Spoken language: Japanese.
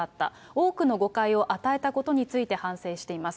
多くの誤解を与えたことについて反省しています。